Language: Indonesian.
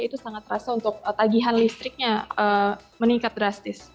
itu sangat terasa untuk tagihan listriknya meningkat drastis